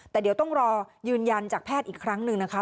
แต่เดี๋ยวต้องรอยืนยันจากแพทย์อีกครั้งหนึ่งนะคะ